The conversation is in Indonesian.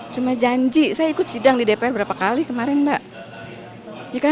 cuma janji saya ikut sidang di dpr berapa kali kemarin mbak